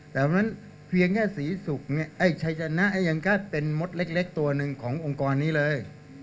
แต่เพียงแค่ศรีศุกร์ไอ้ชายชนะไอ้ยังก็เป็นมดเล็กตัวหนึ่งขององค์กรนี้เลย